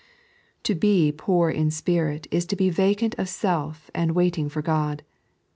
To be poor in spirit is to be vacant of self and waiting for God.